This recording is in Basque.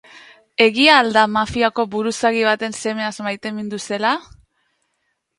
Egia al da mafiako buruzagi baten semeaz maitemindu zela?